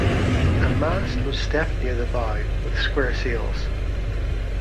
A mast was stepped near the bow with square sails.